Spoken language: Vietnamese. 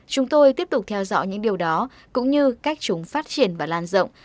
chúng tôi tiếp tục theo dõi những điều đó cũng như cách chúng phát triển và lan rộng